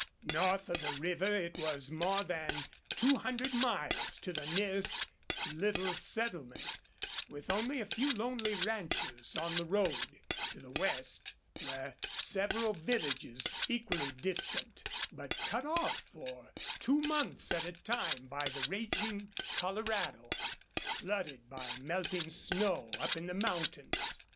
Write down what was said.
North of the river it was more than two hundred miles to the nearest little settlement, with only a few lonely ranches on the road; to the west were several villages, equally distant, but cut off for two months at a time by the raging Colorado, flooded by melting snow up in the mountains.